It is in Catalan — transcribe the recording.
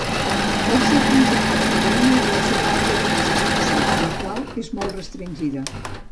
El seu principal problema és la seva àrea de distribució, la qual és molt restringida.